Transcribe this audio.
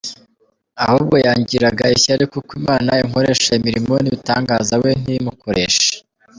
Ahubwo yangiriraga ishyari kuko Imana inkoresha imirimo n’ibitangaza, we ntimukoreshe.